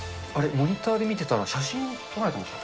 モニターで見てたら写真、撮られてました？